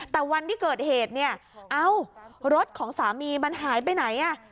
แต่วันที่เกิดเหตุรถของสามีมันหายไปไหน